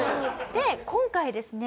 で今回ですね